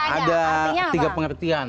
ada tiga pengertian